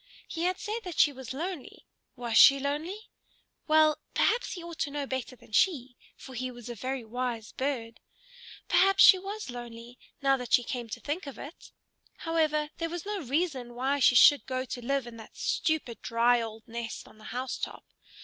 He had said that she was lonely; was she lonely? Well, perhaps he ought to know better than she, for he was a very wise bird. Perhaps she was lonely, now that she came to think of it. However, there was no reason why she should go to live in that stupid, dry, old nest on the house top.